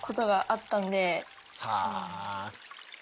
はあ。